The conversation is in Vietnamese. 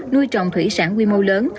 nuôi trồng thủy sản quy mô lớn